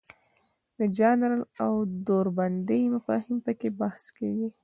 د ژانر او دوربندۍ مفاهیم پکې بحث کیږي.